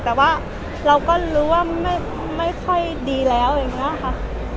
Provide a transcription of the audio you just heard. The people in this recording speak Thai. แต่ว่าเราก็รู้ว่าไม่ค่อยดีแล้วอย่างนี้ค่ะ